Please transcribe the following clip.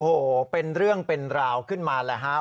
โอ้โหเป็นเรื่องเป็นราวขึ้นมาแหละครับ